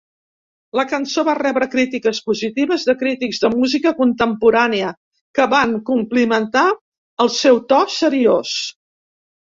La cançó va rebre crítiques positives de crítics de música contemporània, que van complimentar el seu to seriós.